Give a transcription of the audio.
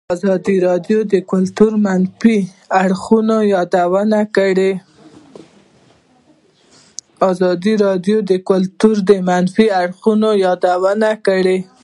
ازادي راډیو د کلتور د منفي اړخونو یادونه کړې.